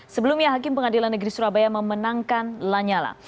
sebelumnya hakim pengadilan negeri surabaya memenangkan lanyala